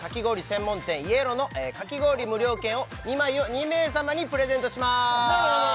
専門店ｙｅｌｏのかき氷無料券２枚を２名様にプレゼントします